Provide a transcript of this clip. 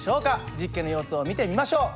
実験の様子を見てみましょう。